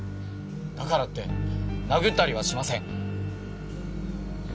だからって殴ったりはしません。